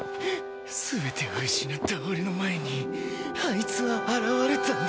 全てを失った俺の前にあいつは現れたんだ。